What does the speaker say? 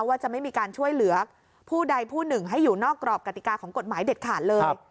ว่าจะไม่มีการช่วยเหลือผู้ใดผู้หนึ่งให้อยู่นอกกรอบกติกาของกฎหมายเด็ดขาดเลย